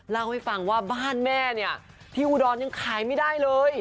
เล่าให้ฟังว่าบ้านแม่เนี่ยที่อุดรยังขายไม่ได้เลย